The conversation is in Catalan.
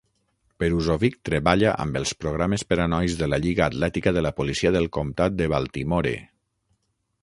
Peruzovic treballa amb els programes per a nois de la lliga atlètica de la policia del comtat de Baltimore.